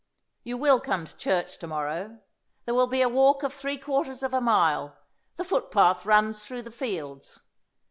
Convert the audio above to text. "You will come to church to morrow. There will be a walk of three quarters of a mile; the footpath runs through the fields."